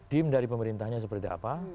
dim dari pemerintahnya seperti apa